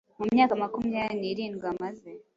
mu myaka makumyabiri nirindwi amaze